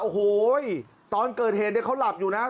โอ้โหตอนเกิดเหตุเนี่ยเขาหลับอยู่นะ